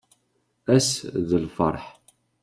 Ass d lferḥ.